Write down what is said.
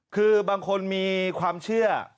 คือบางคนมีความเชื่อ